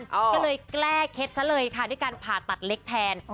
ก็เลยแก้เคล็ดซะเลยค่ะด้วยการผ่าตัดเล็กแทน